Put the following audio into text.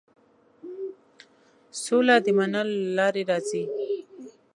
سوله د منلو له لارې راځي.